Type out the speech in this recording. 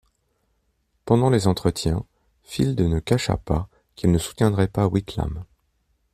Pendant les entretiens, Field ne cacha pas qu'il ne soutiendrait pas Whitlam.